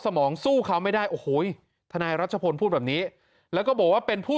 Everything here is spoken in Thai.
มองสู้เขาไม่ได้โอ้โหทนายรัชพลพูดแบบนี้แล้วก็บอกว่าเป็นผู้